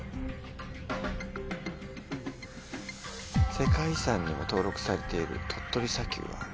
「世界遺産にも登録されている鳥取砂丘は」。